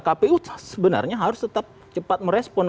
kpu sebenarnya harus tetap cepat merespon